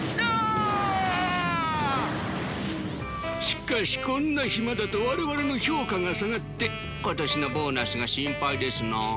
しかしこんな暇だと我々の評価が下がって今年のボーナスが心配ですな。